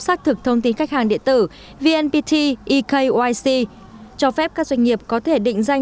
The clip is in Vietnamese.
xác thực thông tin khách hàng điện tử vnpt ekyc cho phép các doanh nghiệp có thể định danh